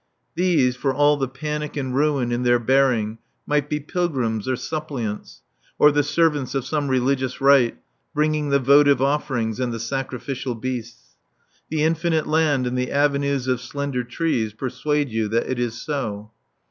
These, for all the panic and ruin in their bearing, might be pilgrims or suppliants, or the servants of some religious rite, bringing the votive offerings and the sacrificial beasts. The infinite land and the avenues of slender trees persuade you that it is so.